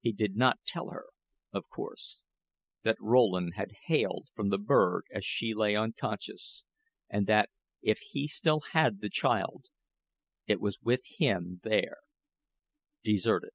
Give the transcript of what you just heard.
He did not tell her, of course, that Rowland had hailed from the berg as she lay unconscious, and that if he still had the child, it was with him there deserted.